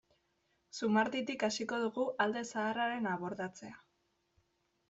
Zumarditik hasiko dugu alde zaharraren abordatzea.